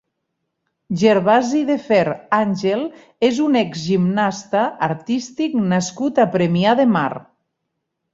Gervasi Deferr Ángel és un exgimnasta artístic nascut a Premià de Mar.